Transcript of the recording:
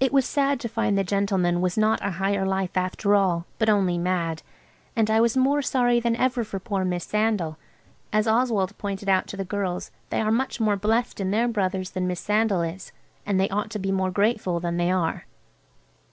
It was sad to find the gentleman was not a Higher Life after all, but only mad. And I was more sorry than ever for poor Miss Sandal. As Oswald pointed out to the girls they are much more blessed in their brothers than Miss Sandal is, and they ought to be more grateful than they are.